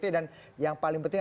dan yang paling penting